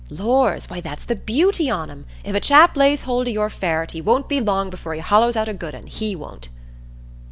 "Lors! why that's the beauty on 'em. If a chap lays hold o' your ferret, he won't be long before he hollows out a good un, he won't."